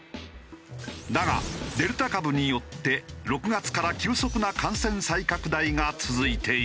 だがデルタ株によって６月から急速な感染再拡大が続いている。